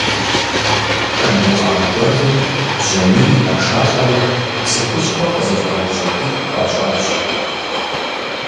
Тамбукъан гуэлым бжьамий ирашалӏэри псы хущхъуэ къызыщӏэж щӏыпӏитӏ хуащӏащ.